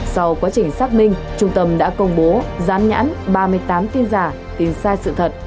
sau quá trình xác minh trung tâm đã công bố gián nhãn ba mươi tám tin giả tin sai sự thật